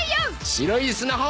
白い砂浜！